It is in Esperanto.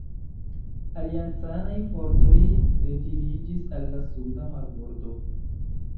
Aliancanaj fortoj retiriĝis al la suda marbordo.